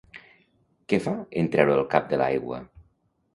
Què fa en treure el cap de l'aigua?